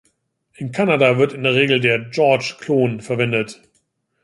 In Kanada wird in der Regel der George-Klon verwendet.